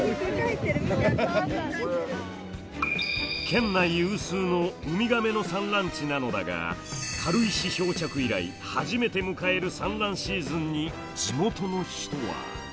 県内有数のウミガメの産卵地なのだが軽石漂着以来初めて迎える産卵シーズンに地元の人は。